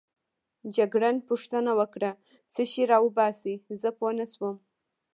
جګړن پوښتنه وکړه: څه شی راوباسې؟ زه پوه نه شوم.